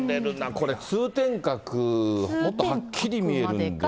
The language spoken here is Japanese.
これ、通天閣、もっとはっきり見えるはずですね。